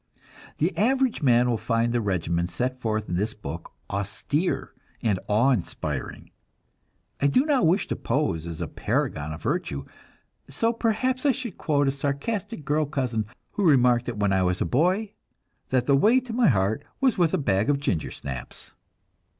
The average man will find the regimen set forth in this book austere and awe inspiring; I do not wish to pose as a paragon of virtue, so perhaps I should quote a sarcastic girl cousin, who remarked when I was a boy that the way to my heart was with a bag of ginger snaps.